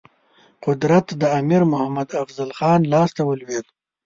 قدرت د امیر محمد افضل خان لاسته ولوېد.